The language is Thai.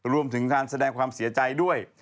รวมถึงการแสดงความเสียใจด้วย